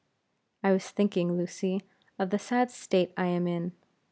"I was thinking, Lucy, of the sad state I am in.